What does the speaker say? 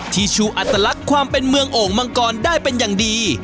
ที่ชูอัตลักษณ์ความเป็นเมืองโอ่งมังกรได้เป็นอย่างดี